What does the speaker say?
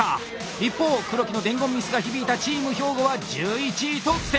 一方黒木の伝言ミスが響いたチーム兵庫は１１位と苦戦！